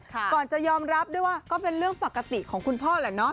ก่อนจะยอมรับด้วยว่าก็เป็นเรื่องปกติของคุณพ่อแหละเนาะ